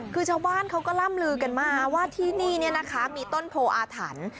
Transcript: คือชาวบ้านเขาก็ล่ำลือกันมาว่าที่นี่มีต้นโพออาถรรพ์